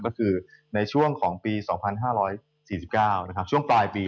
ก็คือในช่วงของปี๒๕๔๙ช่วงปลายปี